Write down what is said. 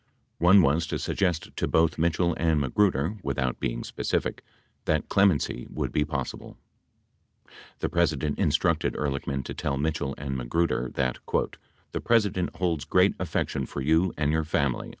One was to suggest to both Mitchell and Magruder— without being specific — that clemency would be possible. The President in structed Ehrlichman to tell Mitchell and Magruder that "the Presi dent holds great affection for you and your family."